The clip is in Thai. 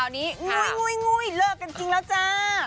งุยเลิกกันจริงแล้วจ้า